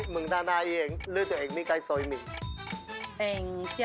มึงตาไหนเลือดตัวเองมีใกล้น้ำมันออย